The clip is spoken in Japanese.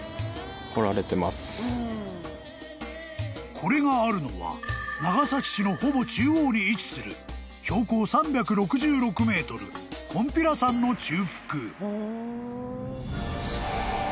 ［これがあるのは長崎市のほぼ中央に位置する標高３６６ｍ金比羅山の中腹］